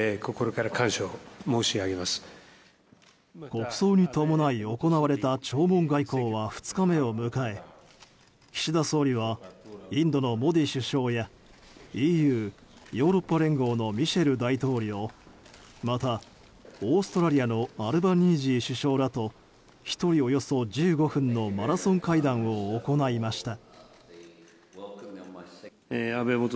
国葬に伴い行われた弔問外交は２日目を迎え岸田総理はインドのモディ首相やＥＵ・ヨーロッパ連合のミシェル大統領またオーストラリアのアルバニージー首相らと１人およそ１５分のマラソン会談を行いました。